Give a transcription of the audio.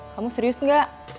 kamu serius gak